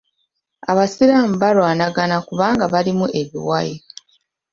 Abasiraamu balwanagana kubanga balimu ebiwayi.